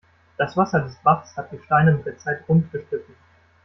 Das Wasser des Bachs hat die Steine mit der Zeit rund geschliffen.